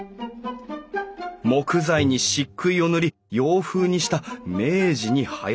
木材に漆喰を塗り洋風にした明治にはやった建築様式。